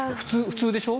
普通でしょ？